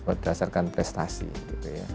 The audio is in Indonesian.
berdasarkan prestasi gitu ya